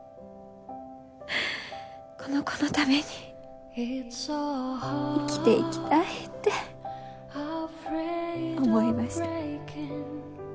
この子のために生きていきたいって思いました。